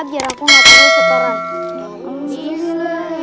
biar aku gak perlu setoran